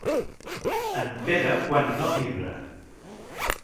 En Pere quan no vibra.